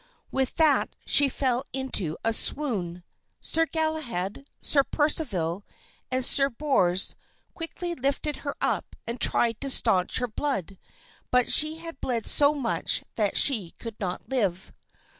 With that she fell into a swoon. Sir Galahad, Sir Percival, and Sir Bors quickly lifted her up and tried to staunch her blood; but she had bled so much that she could not live.